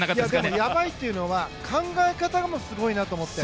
でも、やばいというのは考え方もすごいなと思って。